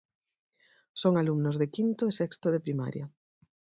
Son alumnos de quinto e sexto de primaria.